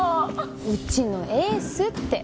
うちのエースって。